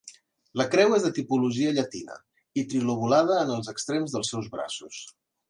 La creu és de tipologia llatina i trilobulada en els extrems dels seus braços.